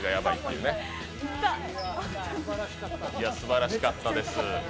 いや、すばらしかったです。